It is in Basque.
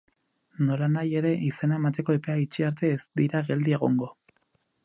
Nolanahi ere, izena emateko epea itxi arte ez dira geldi egongo.